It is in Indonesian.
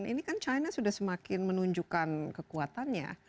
ini kan china sudah semakin menunjukkan kekuatannya